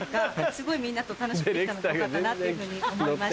すごいみんなと楽しくできたのでよかったなって思いました。